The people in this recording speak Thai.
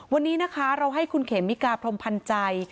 วันนี้นะคะเราให้คุณเขมิกาพรมพันธ์ใจ